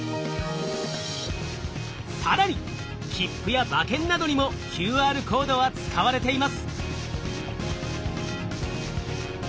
更に切符や馬券などにもＱＲコードは使われています。